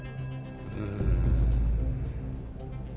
うん。